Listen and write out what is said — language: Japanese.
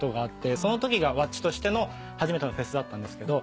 そのときがｗａｃｃｉとしての初めてのフェスだったんですけど。